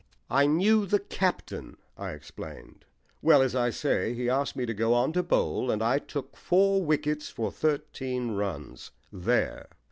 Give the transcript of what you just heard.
"I knew the captain," I explained. "Well, as I say, he asked me to go on to bowl, and I took four wickets for thirteen runs. There!"